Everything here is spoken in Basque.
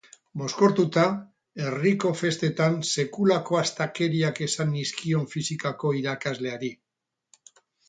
Mozkortuta, herriko festetan sekulako astakeriak esan nizkion fisikako irakasleari.